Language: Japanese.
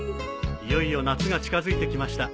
いよいよ夏が近づいてきました。